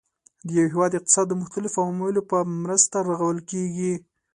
د یو هیواد اقتصاد د مختلفو عواملو په مرسته رغول کیږي.